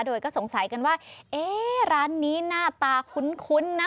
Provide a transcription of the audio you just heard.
โดยก็สงสัยกันว่าเอ๊ะร้านนี้หน้าตาคุ้นนะ